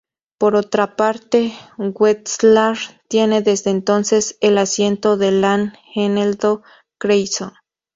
Por otra parte, Wetzlar tiene desde entonces el asiento del Lahn-Eneldo-Kreiso.